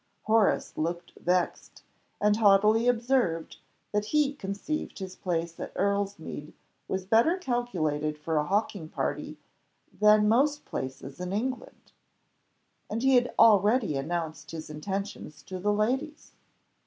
Horace looked vexed, and haughtily observed, that he conceived his place at Erlesmede was better calculated for a hawking party than most places in England; and he had already announced his intentions to the ladies.